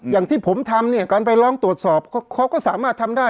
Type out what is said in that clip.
อย่างที่ผมทำเนี่ยการไปร้องตรวจสอบเขาก็สามารถทำได้